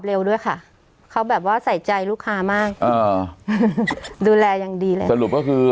เร็วด้วยค่ะเขาแบบว่าใส่ใจลูกค้ามากอ่าดูแลอย่างดีเลยสรุปก็คือ